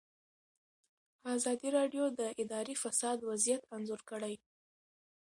ازادي راډیو د اداري فساد وضعیت انځور کړی.